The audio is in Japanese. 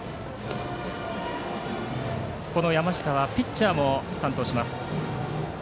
山下はピッチャーも担当します。